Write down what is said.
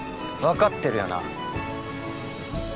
わかってるよな？